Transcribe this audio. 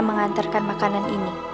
mengantarkan makanan ini